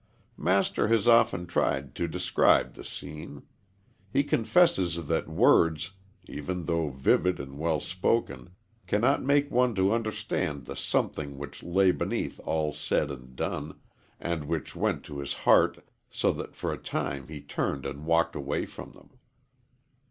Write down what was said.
Master has often tried to describe the scene. He confesses that words, even though vivid and well spoken, cannot make one to understand the something which lay beneath all said and done, and which went to his heart so that for a time he turned and walked away from them.